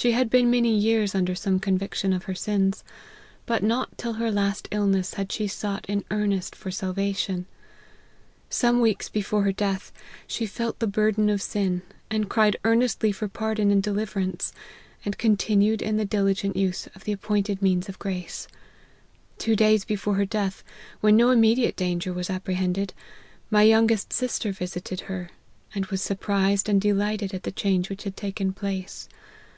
She had been many years under some conviction of her sins, but not till her last illness had she sought in earnest for salvation. Some weeks be fore her death she felt the burden of sin, and cried earnestly for pardon and deliverance, and con tinued in the diligent use of the appointed means of grace. Two days before her death, when no immediate danger was apprehended, my youngest sister visited her ; and was surprised and delighted at the change which had taken place.